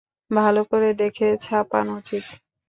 ভাল করে দেখে ছাপান উচিত।